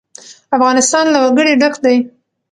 افغانستان له وګړي ډک دی.